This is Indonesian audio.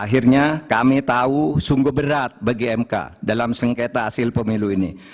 akhirnya kami tahu sungguh berat bagi mk dalam sengketa hasil pemilu ini